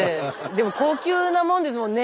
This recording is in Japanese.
でも高級なもんですもんね